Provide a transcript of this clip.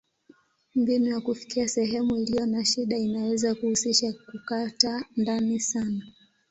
Mbinu ya kufikia sehemu iliyo na shida inaweza kuhusisha kukata ndani sana.